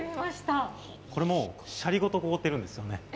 これも、しゃりごと凍ってるんですよね。